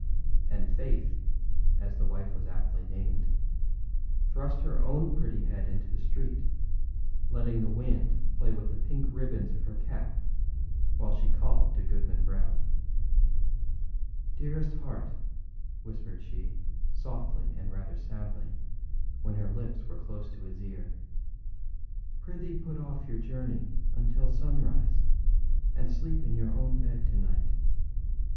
And Faith, as the wife was aptly named, thrust her own pretty head into the street, letting the wind play with the pink ribbons of her cap while she called to Goodman Brown. âDearest heart,â whispered she, softly and rather sadly, when her lips were close to his ear, âprithee put off your journey until sunrise and sleep in your own bed to night.